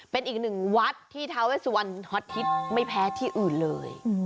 เป็นอีกหนึ่งวัดที่ท้าเวสวันฮอตฮิตไม่แพ้ที่อื่นเลย